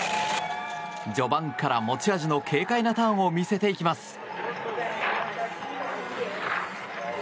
序盤から持ち味の軽快なターンを見せていきます。